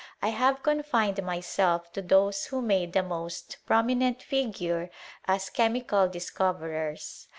I have confined myself to those who made the most prominent figure as che mical discoverers.